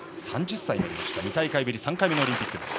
３０歳、２大会ぶり３回目のオリンピック。